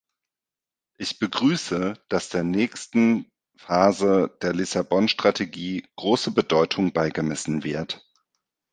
Ich begrüße, dass der nächsten Phase der Lissabon-Strategie große Bedeutung beigemessen wird.